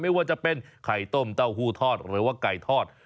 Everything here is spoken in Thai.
ไม่ว่าจะเป็นไข่ต้มเต้าหู้ทอดหรือว่าไก่ทอด